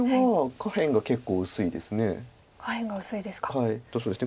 下辺が薄いですか。